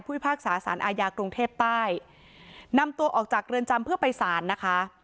พิพากษาสารอาญากรุงเทพใต้นำตัวออกจากเรือนจำเพื่อไปสารนะคะ